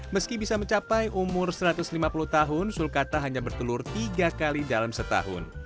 meski bisa mencapai umur satu ratus lima puluh tahun sulkata hanya bertelur tiga kali dalam setahun